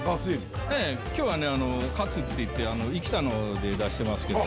ええ今日は活っていって生きたので出してますけど。